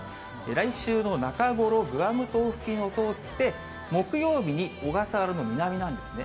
来週の中頃、グアム島付近を通って、木曜日に小笠原の南なんですね。